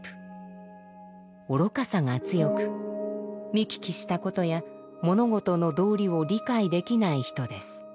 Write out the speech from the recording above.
愚かさが強く見聞きしたことや物事の道理を理解できない人です。